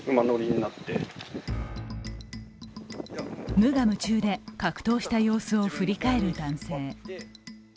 無我夢中で格闘した様子を振り返る男性。